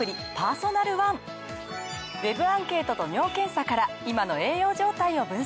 ＷＥＢアンケートと尿検査から今の栄養状態を分析！